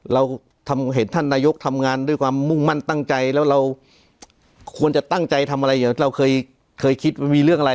เราเห็นท่านนายกทำงานด้วยความมุ่งมั่นตั้งใจแล้วเราควรจะตั้งใจทำอะไรเราเคยคิดว่ามีเรื่องอะไร